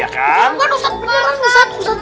atau kalian mau ngelakuin hal ini